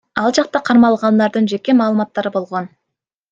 Ал жакта кармалгандардын жеке маалыматтары болгон.